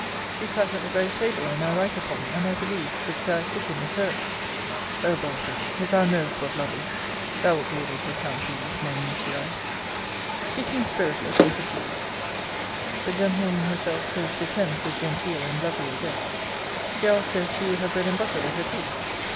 She sat at the very table I now write upon; and, I believe, the chair I sit in was her's.' O Belford, if thou knowest what love is, thou wilt be able to account for these minutiae. 'She seemed spiritless and fatigued. The gentlewoman herself chose to attend so genteel and lovely a guest. She asked her if she would have bread and butter with her tea?